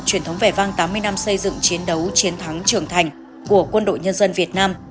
truyền thống vẻ vang tám mươi năm xây dựng chiến đấu chiến thắng trưởng thành của quân đội nhân dân việt nam